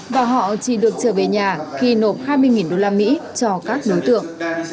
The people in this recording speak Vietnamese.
và họ chỉ được trở về nhà khi nộp hai mươi usd cho các đối tượng